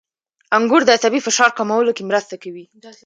• انګور د عصبي فشار کمولو کې مرسته کوي.